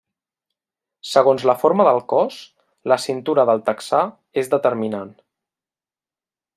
Segons la forma del cos, la cintura del texà és determinant.